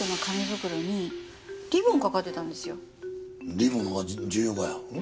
リボンが重要かよ？